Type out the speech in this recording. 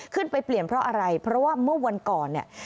เปลี่ยนเพราะอะไรเพราะว่าเมื่อวันก่อนเนี่ย